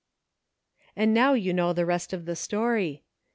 " And now you know the rest of the story.